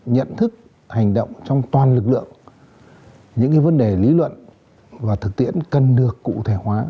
nhận thức hành động trong toàn lực lượng những vấn đề lý luận và thực tiễn cần được cụ thể hóa